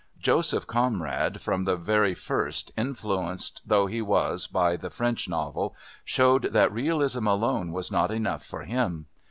Joseph Conrad, from the very first, influenced though he was by the French novel, showed that Realism alone was not enough for him.